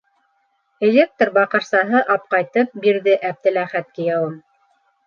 Электр баҡырсаһы апҡайтып бирҙе Әптеләхәт кейәүем.